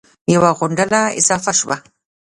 یوه غونډله اضافه شوه